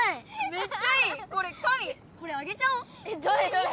めっちゃいい！